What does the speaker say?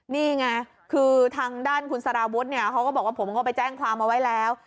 นี่ไงคือทางด้านคุณสารวุฒิเนี่ยเขาก็บอกว่าผมก็ไปแจ้งความเอาไว้แล้ว